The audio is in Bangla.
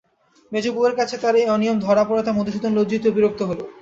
মেজোবউয়ের কাছে তার এই অনিয়ম ধরা পড়াতে মধুসূদন লজ্জিত ও বিরক্ত হল।